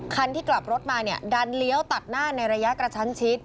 ที่กลับรถมาเนี่ยดันเลี้ยวตัดหน้าในระยะกระชั้นชิด